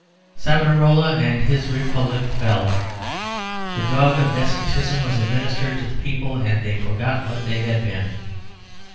Savonarola and his republic fell. The drug of despotism was administered to the people, and they forgot what they had been.